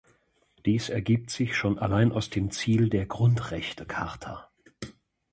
Dies ergibt sich schon allein aus dem Ziel der Grundrechtecharta.